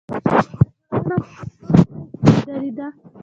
شبکه جوړونه مو په کوم ځای کې لیدلې ده؟